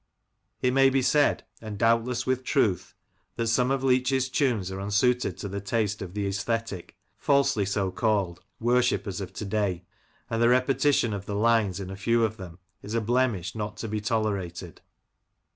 It may be said, and doubtless with truth, that some of Leach's tunes are unsuited to the taste of the aesthetic (falsely so called) worshippers of to day, and the repetition of the lines in a few of them is a blemish hot to be tolerated.